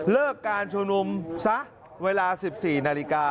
เลิกการชุมนุมซะเวลา๑๔นาฬิกา